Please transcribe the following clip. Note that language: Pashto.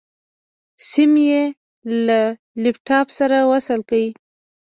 سيم يې له لپټاپ سره وصل کړ.